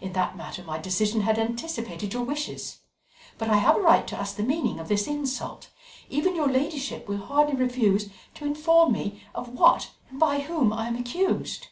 In that matter my decision had anticipated your wishes. But I have a right to ask the meaning of this insult; even your ladyship will hardly refuse to inform me of what and by whom I am accused."